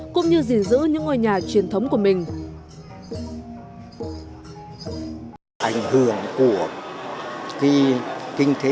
cũng như gìn giữ những ngôi nhà truyền thống của mình